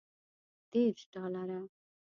دېرش ډالره.